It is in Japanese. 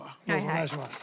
お願いします。